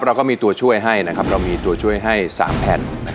เราก็มีตัวช่วยให้นะครับเรามีตัวช่วยให้๓แผ่น